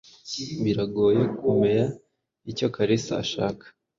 Biragoye kumea icyo Kalisa ashaka.